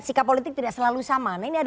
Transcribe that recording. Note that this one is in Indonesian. sikap politik tidak selalu sama